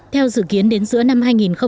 theo dự kiến đến giữa năm hai nghìn hai mươi